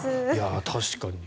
確かに。